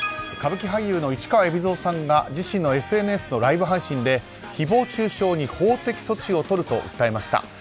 歌舞伎俳優の市川海老蔵さんが自身のＳＮＳのライブ配信で誹謗中傷に法的措置をとると訴えました。